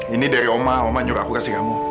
ini dari oma oma nyuruh aku kasih kamu